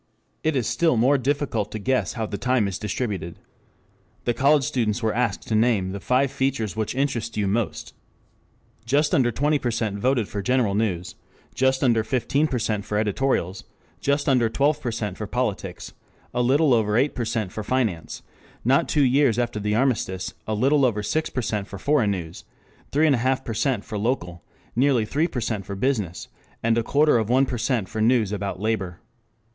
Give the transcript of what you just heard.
2 It is still more difficult to guess how the time is distributed. The college students were asked to name "the five features which interest you most." Just under twenty percent voted for "general news," just under fifteen for editorials, just under twelve for "politics," a little over eight for finance, not two years after the armistice a little over six for foreign news, three and a half for local, nearly three for business, and a quarter of one percent for news about "labor."